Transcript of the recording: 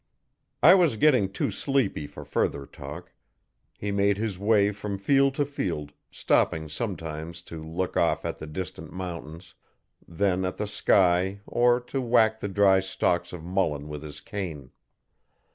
I was getting too sleepy for further talk. He made his way from field to field, stopping sometimes to look off at the distant mountains then at the sky or to whack the dry stalks of mullen with his cane.